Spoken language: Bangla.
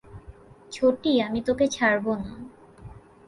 ছোটি, আমি তোকে ছাড়বো না!